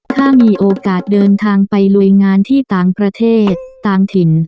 ถ้ามีโอกาสเดินทางไปลุยงานที่ต่างประเทศต่างถิ่น